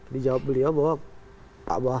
dijawab beliau bahwa